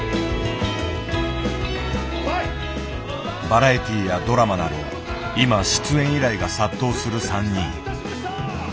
バラエティーやドラマなど今出演依頼が殺到する３人。